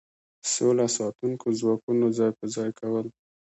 سوله ساتونکو ځواکونو ځای په ځای کول.